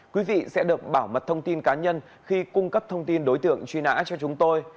quý vị sẽ được bảo mật thông tin cá nhân khi cung cấp thông tin đối tượng truy nã cho chúng tôi